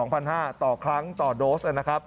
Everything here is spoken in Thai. ๒๕๐๐บาทต่อครั้งต่อโดส